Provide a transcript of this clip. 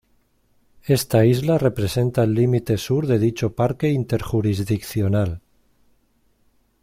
Esta isla representa el límite sur de dicho Parque Interjurisdiccional.